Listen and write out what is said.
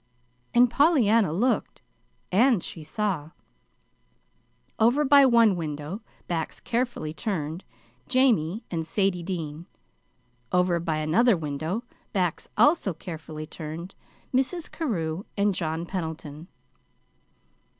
And Pollyanna looked; and she saw: Over by one window, backs carefully turned, Jamie and Sadie Dean; over by another window, backs also carefully turned, Mrs. Carew and John Pendleton.